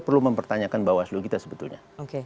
perlu mempertanyakan bawah selu kita sebetulnya oke